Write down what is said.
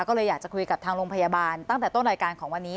ก็เลยอยากจะคุยกับทางโรงพยาบาลตั้งแต่ต้นรายการของวันนี้